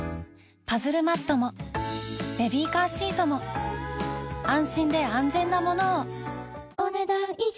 パズルマットもベビーカーシートも安心で安全なものをお、ねだん以上。